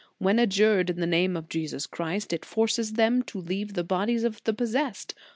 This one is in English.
When adjured in the name of Jesus Christ, it forces them to leave the bodies of the possessed.